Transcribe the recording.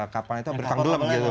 kapan itu berpanggulang gitu